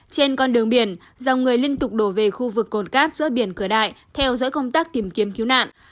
trên con đường biển dòng người liên tục đổ về khu vực cồn cát giữa biển cửa đại theo dõi công tác tìm kiếm cứu nạn